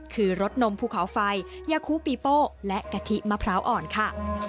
คือรสนมภูเขาไฟยาคูปีโป้และกะทิมะพร้าวอ่อนค่ะ